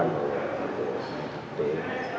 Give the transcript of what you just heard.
nggak ada saksi terkutuk